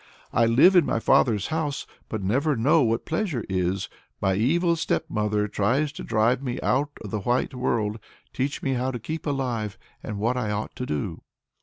I live in my father's house, but never know what pleasure is; my evil stepmother tries to drive me out of the white world; teach me how to keep alive, and what I ought to do."